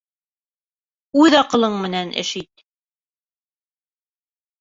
Үҙ аҡылың менән эш ит.